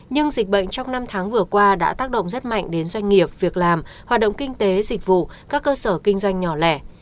nhưng dịch bệnh trong năm tháng vừa qua đã tác động rất mạnh đến doanh nghiệp việc làm hoạt động kinh tế dịch vụ các cơ sở kinh doanh nhỏ lẻ